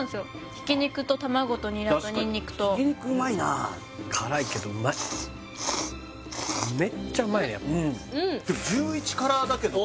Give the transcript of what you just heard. ひき肉と卵とニラとにんにくと確かにひき肉うまいなあ辛いけどうまいめっちゃうまいねやっぱ・うんっおうおううん